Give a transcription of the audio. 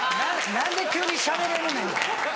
何で急にしゃべれるねん。